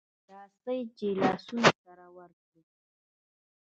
راسئ چي لاسونه سره ورکړو